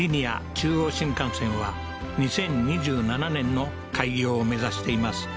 中央新幹線は２０２７年の開業を目指しています